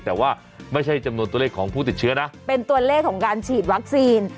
แต่ว่าไม่ใช่จำนวนตัวเลขของผู้ติดเชื้อนะเป็นตัวเลขของการฉีดวัคซีน